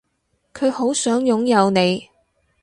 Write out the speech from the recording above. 佢好想擁有你